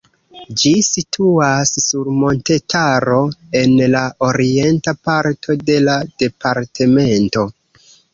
Ĝi situas sur montetaro en la orienta parto de la departemento.